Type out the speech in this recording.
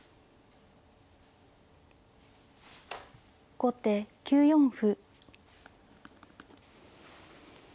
後手９四歩。